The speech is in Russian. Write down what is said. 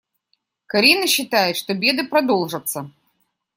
Карина считает, что беды продолжатся.